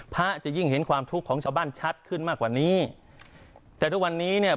พระจะยิ่งเห็นความทุกข์ของชาวบ้านชัดขึ้นมากกว่านี้แต่ทุกวันนี้เนี่ย